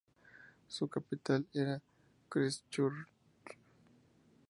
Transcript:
Su capital era Christchurch.